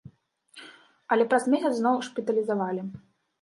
Але праз месяц зноў шпіталізавалі.